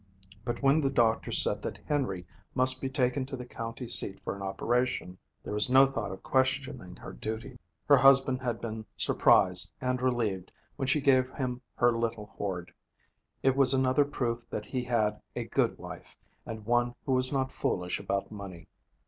But when the doctor said that Henry must be taken to the county seat for an operation, there was no thought of questioning her duty. Her husband had been surprised and relieved when she gave him her little hoard. It was another proof that he had a good wife, and one who was not foolish about money.